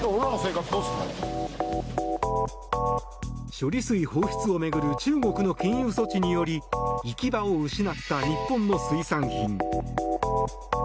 処理水放出を巡る中国の禁輸措置により行き場を失った日本の水産品。